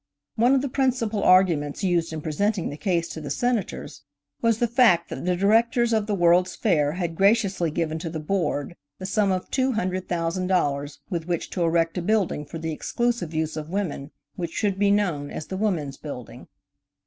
One of the principal arguments used in presenting the case to the Senators was the fact that the Directors of the World's Fair had graciously given to the Board the sum of two hundred thousand dollars with which to erect a building for the exclusive use of women, which should be known as the Woman's Building.